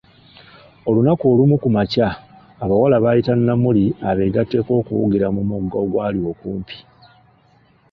Olunaku olumu ku makya, abawala bayita Namuli abegatteko okuwugira mugga ogwali okumpi.